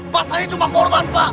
pak saya cuma korban pak